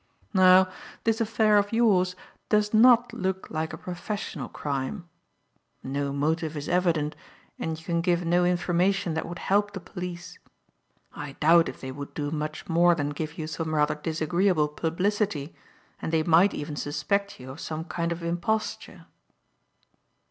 "Now this affair of yours does not look like a professional crime. No motive is evident and you can give no information that would help the police. I doubt if they would do much more than give you some rather disagreeable publicity, and they might even suspect you of some kind of imposture."